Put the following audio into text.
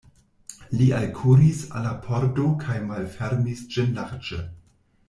Li alkuris al la pordo kaj malfermis ĝin larĝe.